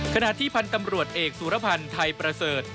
ขณะที่พันธ์ตำรวจเอกสุรพันธ์ไทยประเสริฐ